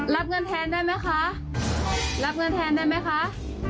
รับเงินแทนได้ไหมคะรับเงินแทนได้ไหมคะ